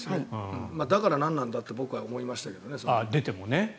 だから何なんだって僕は思いましたけどね。